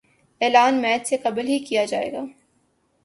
اعلان میچ سے قبل ہی کیا جائے گا